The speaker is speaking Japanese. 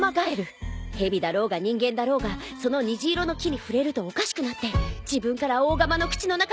蛇だろうが人間だろうがその虹色の気に触れるとおかしくなって自分から大蝦蟇の口の中にバクリッ！